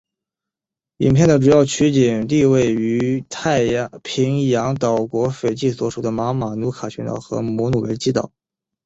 影片的主要取景地位于太平洋岛国斐济所属的马马努卡群岛的摩努雷基岛。